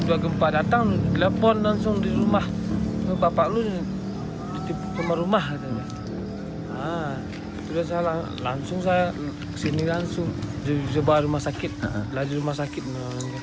warga diimbau untuk meningkatkan kewaspadaan